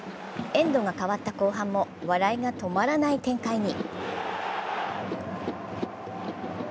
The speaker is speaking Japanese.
エンドが変わった後半も笑いが止まらない展開に。